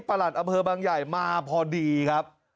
หลัดอำเภอบางใหญ่มาพอดีครับ